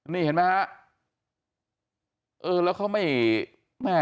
นี่เห็นไหมค่ะ